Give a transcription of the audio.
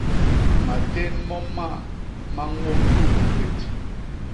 Matén mo mmaa ma ñôm tuk gwét.